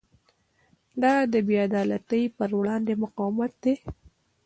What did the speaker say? دا د بې عدالتۍ پر وړاندې مقاومت دی.